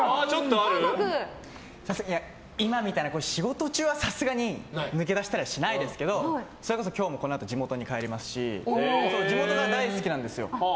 今みたいな仕事中はさすがに抜け出したりはしないですけどそれこそ今日もこのあと地元に帰りますしどちらですか？